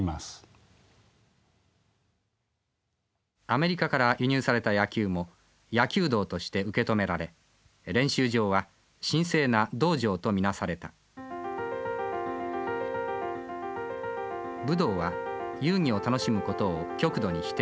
アメリカから輸入された野球も野球道として受け止められ練習場は神聖な道場と見なされた武道は遊技を楽しむことを極度に否定する。